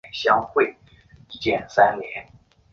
聋人开门取得芒果。